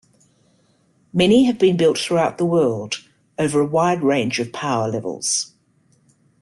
Many have been built throughout the world, over a wide range of power levels.